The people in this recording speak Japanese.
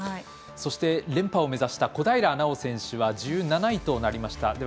そして連覇を目指した小平奈緒選手は１７位となりました。